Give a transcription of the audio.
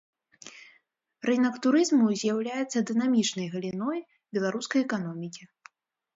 Рынак турызму з'яўляецца дынамічнай галіной беларускай эканомікі.